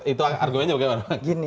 itu argumennya bagaimana pak